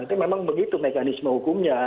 nanti memang begitu mekanisme hukumnya